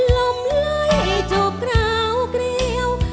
ลมเลยจูบกราวกรีว